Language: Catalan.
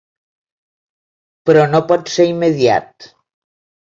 Però no pot ser immediat.